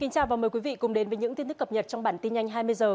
chào mừng quý vị đến với bản tin nhanh hai mươi h